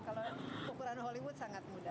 kalau ukuran hollywood sangat mudah